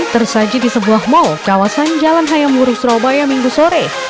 tersaji di sebuah mall kawasan jalan hayamurus robaya minggu sore